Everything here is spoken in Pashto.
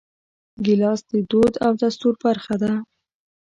ګیلاس د دود او دستور برخه ده.